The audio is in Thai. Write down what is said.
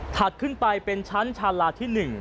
ถัดขึ้นไปเป็นชั้นชาลาที่๑